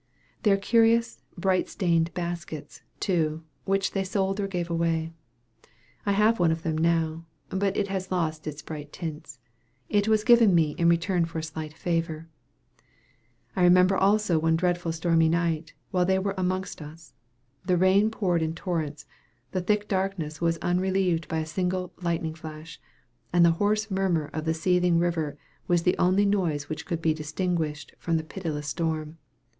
Their curious, bright stained baskets, too, which they sold or gave away. I have one of them now, but it has lost its bright tints. It was given me in return for a slight favor. I remember also one dreadful stormy night while they were amongst us. The rain poured in torrents. The thick darkness was unrelieved by a single lightning flash, and the hoarse murmur of the seething river was the only noise which could be distinguished from the pitiless storm.